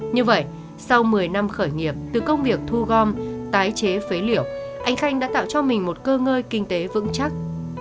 như vậy sau một mươi năm khởi nghiệp từ công việc thu gom tái chế phế liệu anh khanh đã tạo cho mình một cơ ngơi kinh tế vững chắc